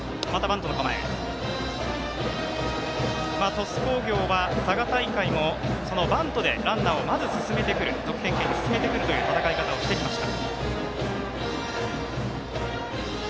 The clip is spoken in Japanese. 鳥栖工業は佐賀大会もバントでランナーを得点圏に進めてくる戦い方をしてきました。